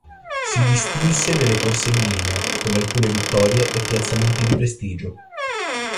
Si distinse nelle corse in linea, con alcune vittorie e piazzamenti di prestigio.